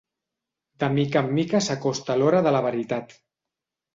De mica en mica s'acosta l'hora de la veritat.